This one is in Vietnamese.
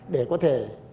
để có thể